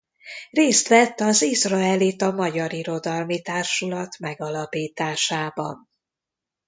Részt vett az Izraelita Magyar Irodalmi Társulat megalapításában.